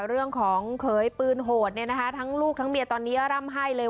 เรื่องของเขยปืนโหดเนี่ยนะคะทั้งลูกทั้งเมียตอนนี้ร่ำไห้เลย